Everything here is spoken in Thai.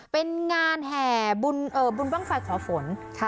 เป็นงานแห่บุนบาลฟังไฟของขพนศ์